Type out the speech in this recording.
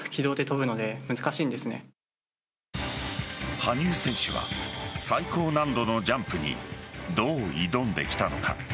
羽生選手は最高難度のジャンプにどう挑んできたのか。